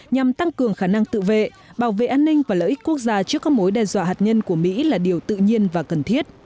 nhằm tăng cường khả năng tự vệ bảo vệ an ninh và lợi ích quốc gia trước các mối đe dọa hạt nhân của mỹ là điều tự nhiên và cần thiết